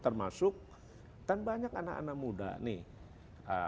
termasuk kan banyak anak anak muda nih